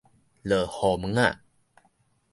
落雨毛仔